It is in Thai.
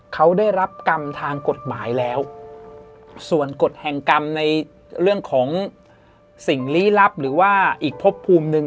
เขาได้รับกรรมทางกฎหมายแล้วส่วนกฎแห่งกรรมในเรื่องของสิ่งลี้ลับหรือว่าอีกพบภูมิหนึ่ง